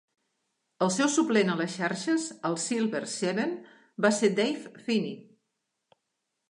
El seu suplent a les xarxes als Silver Seven va ser Dave Finnie.